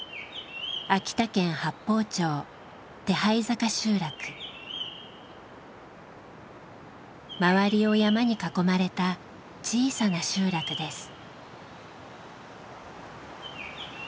秋田県八峰町周りを山に囲まれた小さな集落です。